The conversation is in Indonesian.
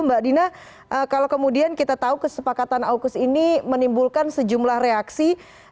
mbak dina kalau kemudian kita tahu kesepakatan aukus ini menimbulkan sejumlah reaksi